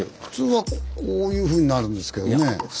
普通はこういうふうになるんですけどね。